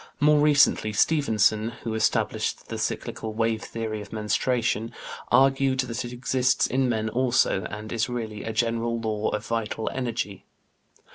More recently Stephenson, who established the cyclical wave theory of menstruation, argued that it exists in men also, and is really "a general law of vital energy."